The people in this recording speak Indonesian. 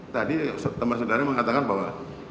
tadi teman saudara mengatakan bahwa